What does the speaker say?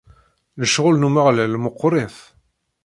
Lecɣal n Umeɣlal meqqwrit.